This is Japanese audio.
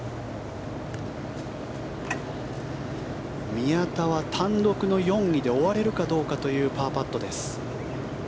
宮田は単独の４位で終われるかどうかというパーパットです。